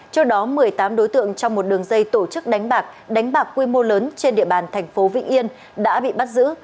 trước đó một mươi tám đối tượng trong một đường dây tổ chức đánh bạc đánh bạc quy mô lớn trên địa bàn thành phố vĩnh yên đã bị bắt giữ